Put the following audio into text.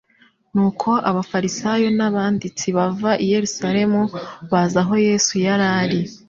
«Nuko abafarisayo n'abanditsi bava i Yerusalemu, baza aho Yesu yari ari.»